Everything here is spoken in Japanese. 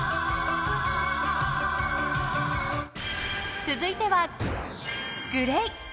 続いては、ＧＬＡＹ。